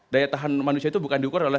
daya tahan manusia itu bukan diukur oleh